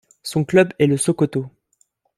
Son club est le Sokoto.